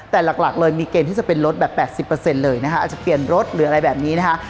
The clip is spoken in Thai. แต่หลักเลยมีเกณฑ์ที่จะเป็นรถแบบ๘๐เลยนะคะอาจจะเปลี่ยนรถหรืออะไรแบบนี้นะคะ